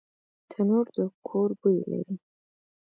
تنور د کور بوی لري